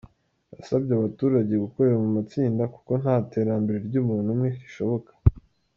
Yasabye abaturage gukorera mu matsinda, kuko nta terambere ry’umuntu umwe rishoboka.